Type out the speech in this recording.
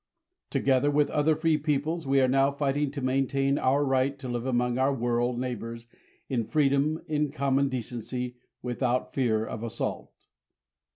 Together with other free peoples, we are now fighting to maintain our right to live among our world neighbors in freedom, in common decency, without fear of assault.